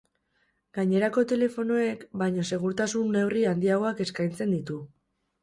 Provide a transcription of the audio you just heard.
Gainerako telefonoek baino segurtasun neurri handiagoak eskaintzen ditu.